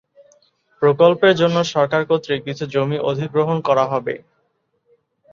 প্রকল্পের জন্য সরকার কর্তৃক কিছু জমি অধিগ্রহণ করা হবে।